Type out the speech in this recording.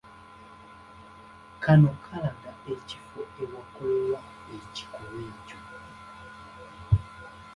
Kano kalaga ekifo awaakolerwa ekikolwa ekyo.